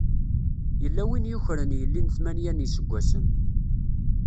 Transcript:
Yella win yukren yelli n tmanya n yiseggasen.